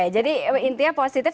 jadi intinya positif